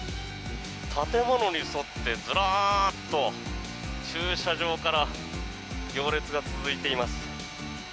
建物に沿ってずらっと駐車場から行列が続いています。